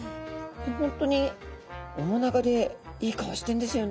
本当に面長でいい顔してるんですよね。